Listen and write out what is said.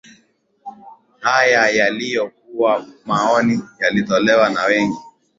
hayo yalikuwa maoni yaliyotolewa na wengi